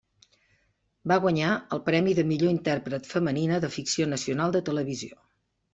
Va guanyar el premi de Millor Intèrpret Femenina de Ficció Nacional de Televisió.